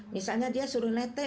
misalnya dia suruh netek